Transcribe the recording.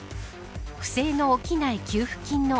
不正の起きない給付金の